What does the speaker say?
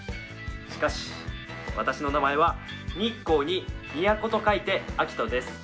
しかし、私の名前は日光に都と書いて、晃都です。